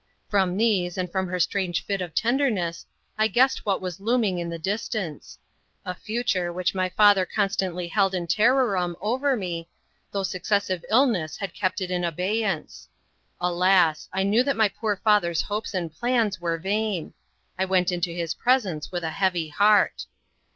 From these, and from her strange fit of tenderness, I guessed what was looming in the distance a future which my father constantly held in terrorem over me, though successive illness had kept it in abeyance. Alas! I knew that my poor father's hopes and plans were vain! I went into his presence with a heavy heart.